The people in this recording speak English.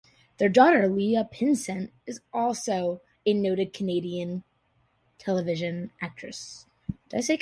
Their daughter, Leah Pinsent, is also a noted Canadian television actress.